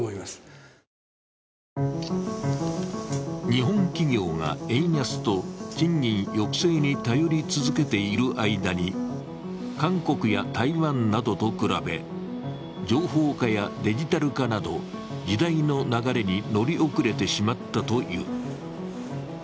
日本企業が円安と賃金抑制に頼り続けている間に韓国や台湾などと比べ情報化やデジタル化など、時代の流れに乗り遅れてしまったという。